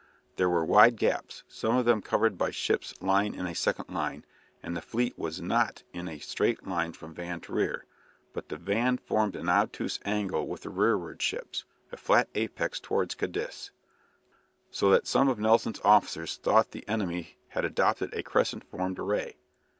There were wide gaps, some of them covered by ships lying in a second line; and the fleet was not in a straight line from van to rear, but the van formed an obtuse angle with the rearward ships, the flat apex towards Cadiz, so that some of Nelson's officers thought the enemy had adopted a crescent formed array.